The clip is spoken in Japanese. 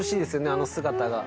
あの姿が。